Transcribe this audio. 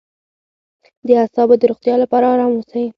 د اعصابو د روغتیا لپاره ارام اوسئ